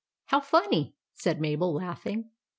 " How funny !" said Mabel, laughing.